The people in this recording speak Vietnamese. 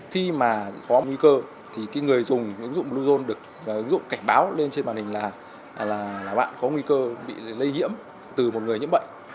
khi mà có nguy cơ thì người dùng ứng dụng bluezone được ứng dụng cảnh báo lên trên màn hình là bạn có nguy cơ bị lây nhiễm từ một người nhiễm bệnh